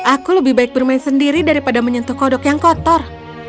aku lebih baik bermain sendiri daripada menyentuh kodok yang kotor